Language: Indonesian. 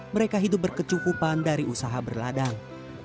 mereka hidup berkecukupan dari usaha berladang